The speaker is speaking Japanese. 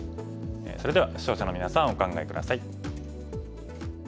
それでは視聴者のみなさんお考え下さい。